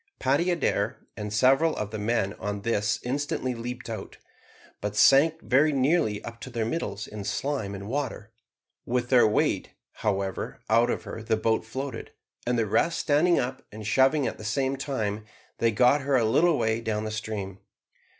Paddy Adair and several of the men on this instantly leaped out, but sank very nearly up to their middles in slime and water. With their weight, however, out of her the boat floated, and the rest standing up and shoving at the same time, they got her a little way down the stream.